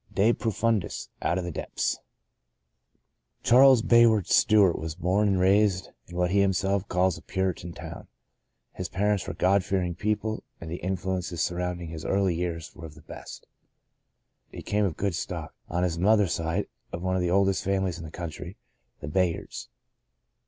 De profimdis — out of the depths ! Charles Bayard Stewart was born and raised in what he himself calls a Puritan town. His parents were God fearing people, and the influences surrounding his early years were of the best. He came of good stock, on his mother's side of one of the oldest families in the country — the Bayards.